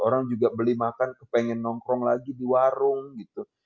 orang juga beli makan kepengen nongkrong lagi di warung gitu